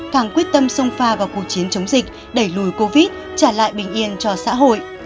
càng quyết tâm sông pha vào cuộc chiến chống dịch đẩy lùi covid trả lại bình yên cho xã hội